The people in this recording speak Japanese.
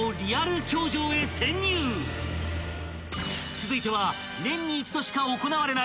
［続いては］